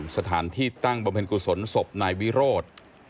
สถานที่ตั้งบำเพ็ญกุศลศพนายวิโรธ